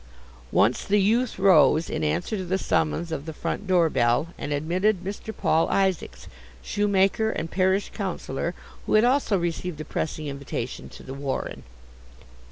Once the youth rose, in answer to the summons of the front door bell, and admitted Mr. Paul Isaacs, shoemaker and parish councillor, who had also received a pressing invitation to The Warren.